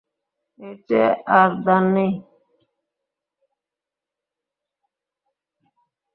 এর চেয়ে আর দান নেই।